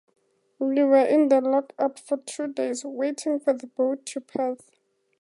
We were in the lock-up for two days waiting for the boat to Perth.